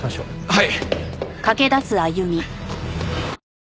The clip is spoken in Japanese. はい！